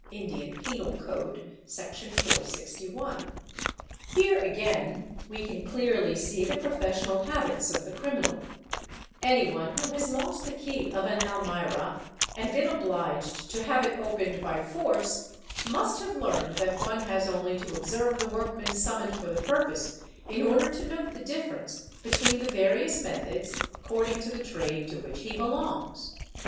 (Indian Penal Code, Sec. 461 De HOUSEBREAKING—GENERAL 715 Here again we can clearly see the professional habits of the criminal; any one who has lost the key of an almirah and been obliged to have it opened by force must have learned that one has only to observe the work man summoned for the purpose in order to note the difference between the various methods, according to the trade to which he belongs.